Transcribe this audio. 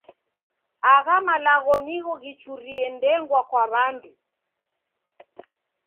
Agha malagho nigho ghichurie ndengwa kwa w'andu.